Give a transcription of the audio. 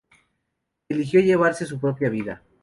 Eligió llevarse su propia vida.